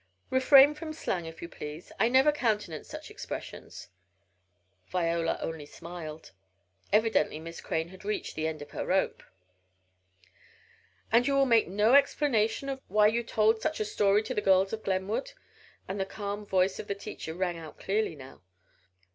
'" "Refrain from slang, if you please. I never countenance such expressions." Viola only smiled. Evidently Miss Crane had reached "the end of her rope." "And you will make no explanation of why you told such a story to the girls of Glenwood?" and the calm voice of the teacher rang out clearly now.